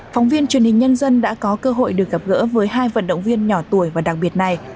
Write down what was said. phóng viên truyền hình nhân dân đã có cơ hội được gặp gỡ với hai vận động viên nhỏ tuổi và đặc biệt này